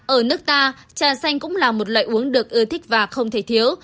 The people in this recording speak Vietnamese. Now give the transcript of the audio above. ở nước ta trà xanh cũng là một loại uống được ưa thích và không thể thiếu